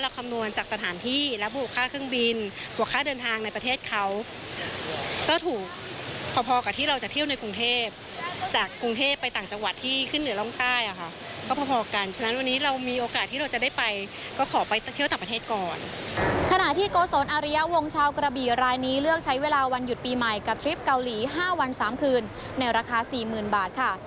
ขณะที่โกศลอาริยาวงชาวกระบีรายนี้เลือกใช้เวลาวันหยุดปีใหม่กับทริปเกาหลี๕วัน๓คืนในราคาสี่หมื่นบาทค่ะ